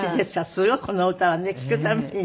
すごくこの歌はね聴く度にね。